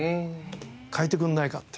変えてくれないかって。